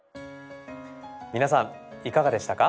皆さんいかがでしたか？